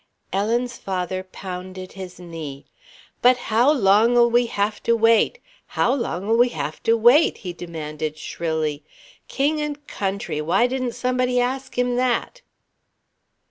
Ellen's father pounded his knee. "But how long'll we have to wait? How long'll we have to wait?" he demanded shrilly. "King and country, why didn't somebody ask him that?"